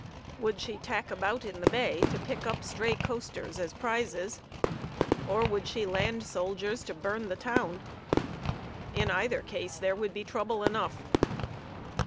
Would she tack about in the bay to pick up stray coasters as prizes, or would she land soldiers to burn the town? In either case there would be trouble enough.